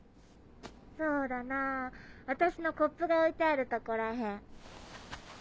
そうだなぁ私のコップが置いてあるとこら辺。